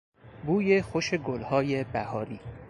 بوی خوش گلهای بهاری